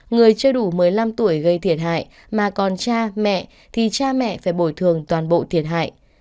người chưa đủ một mươi năm tuổi gây thiệt hại mà còn cha mẹ thì cha mẹ phải bồi thường toàn bộ thiệt hại